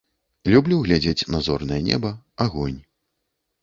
Люблю глядзець на зорнае неба, агонь.